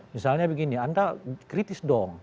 misalnya begini anda kritis dong